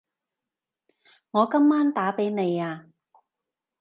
我今晚打畀你吖